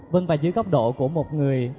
vâng và dưới góc độ của một người